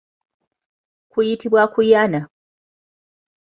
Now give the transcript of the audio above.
Kuyitibwa kuyana.